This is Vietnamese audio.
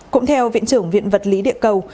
cũng theo viện trưởng viện vật lý địa cầu